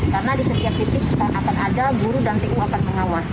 karena di setiap titik kita akan ada guru dan tu akan mengawasi